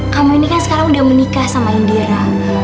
kamu ini kan sekarang udah menikah sama indira